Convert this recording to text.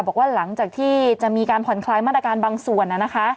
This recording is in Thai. บอกว่าหลังจากที่จะมีการผ่อนคลายมาตรการบางส่วน